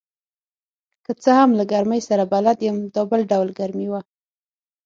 که څه هم له ګرمۍ سره بلد یم، دا بل ډول ګرمي وه.